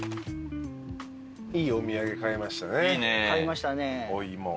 いいお土産買えましたねお芋。